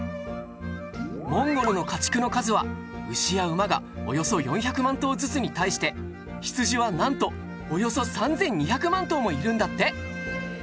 モンゴルの家畜の数は牛や馬がおよそ４００万頭ずつに対して羊はなんとおよそ３２００万頭もいるんだって。